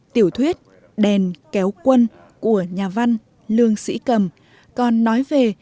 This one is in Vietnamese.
tiểu thuyết đèn kéo quân của nhà văn lương sĩ cầm còn nói về